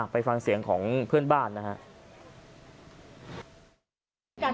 ไปฟังเสียงของเพื่อนบ้านนะครับ